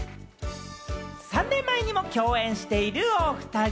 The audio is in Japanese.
３年前にも共演しているおふたり。